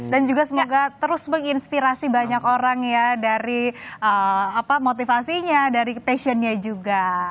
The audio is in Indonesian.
dan juga semoga terus menginspirasi banyak orang ya dari motivasinya dari passionnya juga